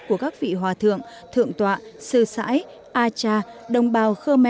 của các vị hòa thượng thượng tọa sư sãi a cha đồng bào khơ me